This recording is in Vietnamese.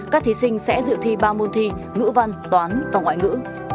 các thí sinh sẽ dự thi ba môn thi ngữ văn toán và ngoại ngữ